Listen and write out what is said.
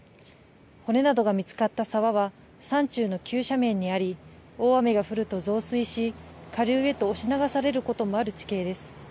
骨などが見つかった沢は山中の急斜面にあり、大雨が降ると増水し、下流へと押し流されることもある地形です。